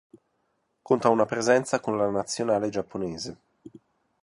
Conta una presenza con la Nazionale giapponese.